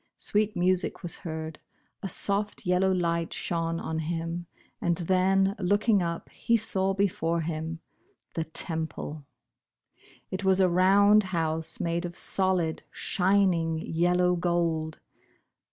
Sweet music was heard — a soft yel low light shone on him, and then, looking up, he saw before him — the Temple. It was a round house made of solid, shining, yellow gold.